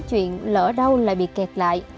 chuyện lỡ đâu lại bị kẹt lại